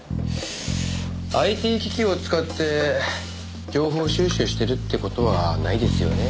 ＩＴ機器を使って情報収集してるって事はないですよね。